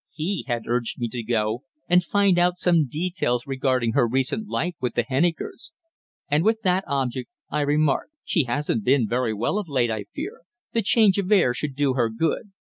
He had urged me to go and find out some details regarding her recent life with the Hennikers; and with that object I remarked: "She hasn't been very well of late, I fear. The change of air should do her good."